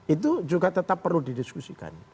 itu juga tetap perlu didiskusikan